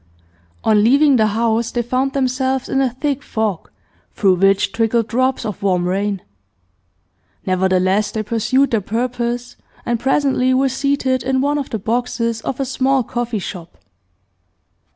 On leaving the house they found themselves in a thick fog, through which trickled drops of warm rain. Nevertheless, they pursued their purpose, and presently were seated in one of the boxes of a small coffee shop.